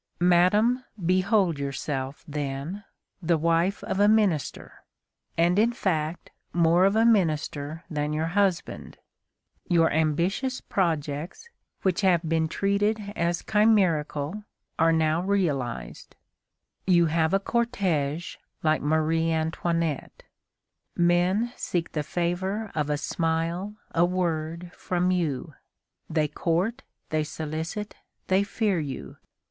Madame, behold yourself, then, the wife of a minister, and in fact more of a minister than your husband. Your ambitious projects, which have been treated as chimerical, are now realized. You have a cortège like Marie Antoinette. Men seek the favor of a smile, a word, from you. They court, they solicit, they fear you.